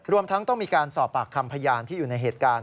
รวมทั้งต้องมีการสอบปากคำพยานที่อยู่ในเหตุการณ์